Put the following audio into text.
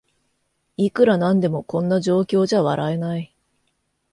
いくらなんでもこんな状況じゃ笑えない